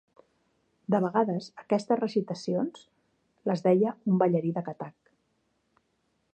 De vegades, aquestes recitacions les deia un ballarí de Kathak.